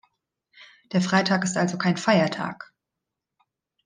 Der Freitag ist also kein Feiertag.